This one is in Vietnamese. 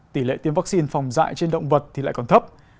tỷ lệ tiêm vaccine phòng dạy trên động vật thì lại còn thấp